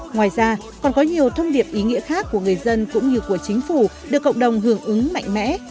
ngoài ra còn có nhiều thông điệp ý nghĩa khác của người dân cũng như của chính phủ được cộng đồng hưởng ứng mạnh mẽ